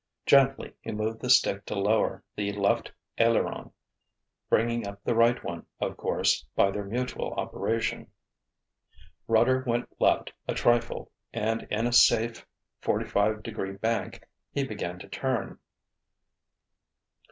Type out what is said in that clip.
Gently he moved the stick to lower the left aileron, bringing up the right one, of course, by their mutual operation; rudder went left a trifle and in a safe, forty five degree bank, he began to turn.